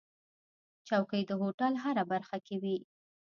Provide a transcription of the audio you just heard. چوکۍ د هوټل هره برخه کې وي.